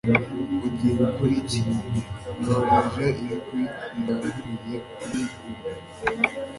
ugiye gukora iki? nabajije mu ijwi riranguruye. kuri ubu